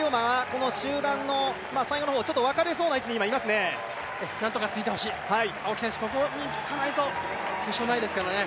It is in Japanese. この集団の最後の方、分かれそうな位置にいますね